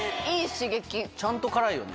ちゃんと辛いよね。